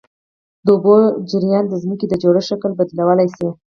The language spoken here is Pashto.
د اوبو جریان د ځمکې د جوړښت شکل بدلولی شي.